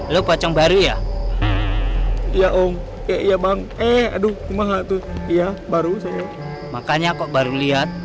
lu pocong baru ya iya om ya iya bang eh aduh mahat tuh iya baru saya makanya kok baru lihat